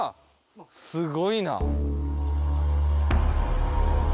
すごいな。